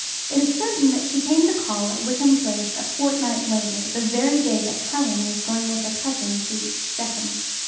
It is certain that she came to call at Wickham Place a fortnight later, the very day that Helen was going with her cousin to Stettin.